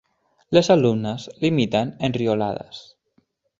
Les alumnes l'imiten enriolades.